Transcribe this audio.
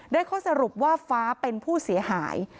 ข้อสรุปว่าฟ้าเป็นผู้เสียหาย